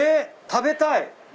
食べたい。